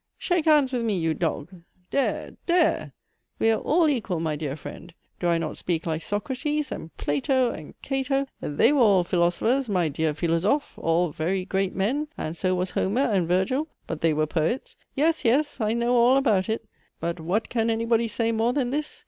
Shake hands with me, you dog! Dhere, dhere! We are all equal my dear friend! Do I not speak like Socrates, and Plato, and Cato they were all philosophers, my dear philosophe! all very great men! and so was Homer and Virgil but they were poets. Yes, yes! I know all about it! But what can anybody say more than this?